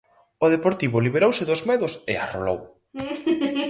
O Deportivo liberouse dos medos e arrolou.